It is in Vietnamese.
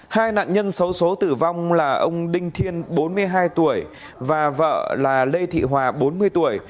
hai nạn nhân xấu số tử vong là ông đinh thiên bốn mươi hai tuổi và vợ là lê thị hòa bốn mươi tuổi